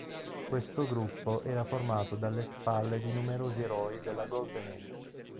Questo gruppo era formato dalle "spalle" di numerosi eroi della Golden Age.